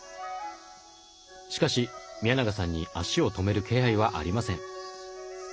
しかし宮永さんに足を止める気配はありません。